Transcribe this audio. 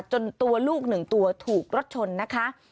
จนตัวลูกหนึ่งตัวถูกรถชนนะคะ